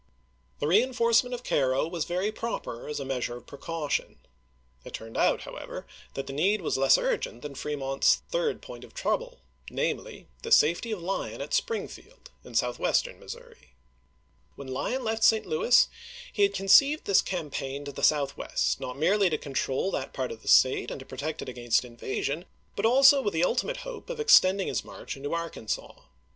The reenforcement of Cairo was very proper as a measure of precaution. It turned out, however, that the need was less urgent than Fremont's third point of trouble, namely, the safety of Lyon at Springfield, in southwestern Missouri. When Lyon left St. Louis he had conceived this cam paign to the southwest, not merely to control that part of the State and to protect it against in vasion, but also with the ultimate hope of extend ing his march into Arkansas.